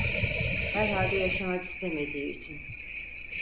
Herhalde yaşamak istemediği için.